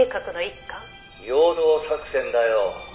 「陽動作戦だよ」